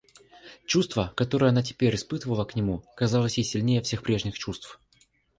Чувство, которое она теперь испытывала к нему, казалось ей сильнее всех прежних чувств.